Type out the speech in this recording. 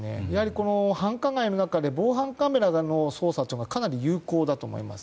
この繁華街の中で防犯カメラの捜査というのはかなり有効だと思います。